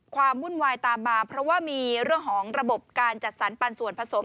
วุ่นวายตามมาเพราะว่ามีเรื่องของระบบการจัดสรรปันส่วนผสม